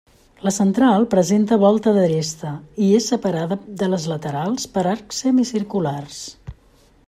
La central presenta volta d'aresta i és separada de les laterals per arcs semicirculars.